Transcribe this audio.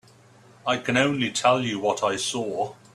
I can only tell you what I saw.